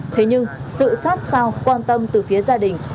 thế nhưng sự sát sao quan tâm từ phía gia đình